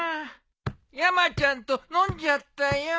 山ちゃんと飲んじゃったよん。